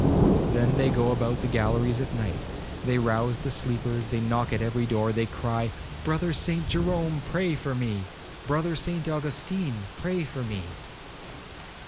Then they go about the galleries at night, they rouse the sleepers, they knock at every door,—they cry, 'Brother Saint Jerome, pray for me,—Brother Saint Augustine, pray for me.'